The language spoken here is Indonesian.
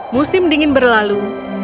musim dingin berlalu